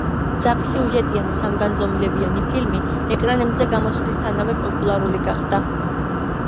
მძაფრსიუჟეტიანი სამგანზომილებიანი ფილმი ეკრანებზე გამოსვლისთანავე პოპულარული გახდა.